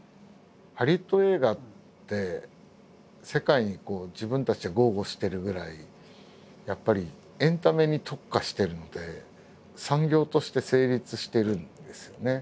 ハリウッド映画って世界に自分たちで豪語してるぐらいやっぱりエンタメに特化してるので産業として成立してるんですよね。